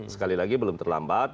sekali lagi belum terlambat